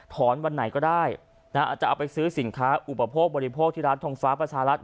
วันไหนก็ได้อาจจะเอาไปซื้อสินค้าอุปโภคบริโภคที่ร้านทองฟ้าประชารัฐ